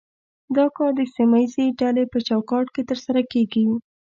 دا کار د سیمه ایزې ډلې په چوکاټ کې ترسره کیږي